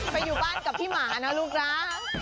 ไปอยู่บ้านกับพี่หมานะลูกนะ